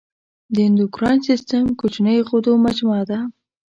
د اندوکراین سیستم کوچنیو غدو مجموعه ده.